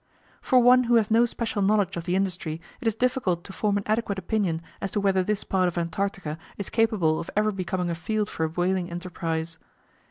For one who has no special knowledge of the industry it is difficult to form an adequate opinion as to whether this part of Antarctica is capable of ever becoming a field for whaling enterprise.